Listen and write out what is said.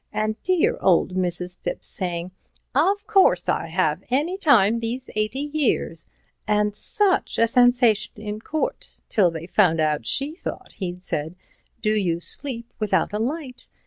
And dear old Mrs. Thipps saying, 'Of course I have, any time these eighty years,' and such a sensation in court till they found out she thought he'd said, 'Do you sleep without a light?'